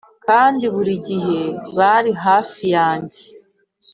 kandi buri gihe bari hafi yanjye